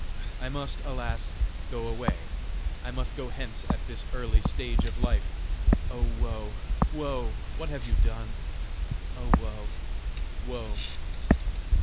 I must, alas! go away; I must go hence at this early stage of life. Oh woe, woe! what have you done! Oh woe, woe!"